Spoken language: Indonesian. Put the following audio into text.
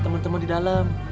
kita akan bertemu di dalam